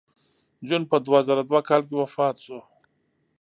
جون په دوه زره دوه کال کې وفات شو